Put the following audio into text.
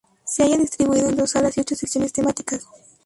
Se halla distribuido en dos salas y ocho secciones temáticas.